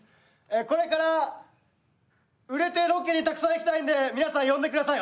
これから売れてロケにたくさん行きたいんで皆さん呼んでください。